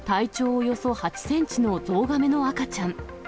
およそ８センチのゾウガメの赤ちゃん。